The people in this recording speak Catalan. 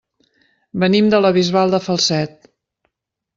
Venim de la Bisbal de Falset.